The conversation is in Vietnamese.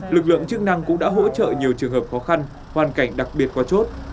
lực lượng chức năng cũng đã hỗ trợ nhiều trường hợp khó khăn hoàn cảnh đặc biệt qua chốt